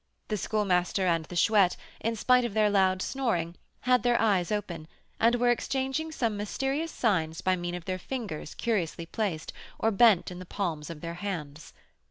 The Schoolmaster and the Chouette, in spite of their loud snoring, had their eyes open, and were exchanging some mysterious signs by means of their fingers curiously placed or bent in the palms of their hands.